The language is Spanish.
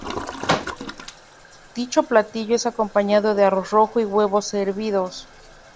Dicho platillo es acompañado de arroz rojo y huevos hervidos.